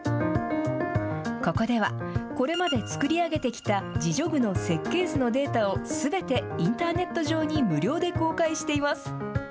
ここではこれまで作り上げてきた自助具の設計図のデータをすべてインターネット上に無料で公開しています。